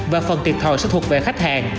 và phần tiệt thòi sẽ thuộc về khách hàng